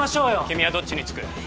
君はどっちにつく？